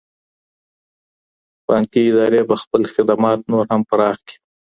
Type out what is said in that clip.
بانکی ادارې به خپل خدمات نور هم پراخ کړي.